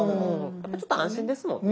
やっぱちょっと安心ですもんね。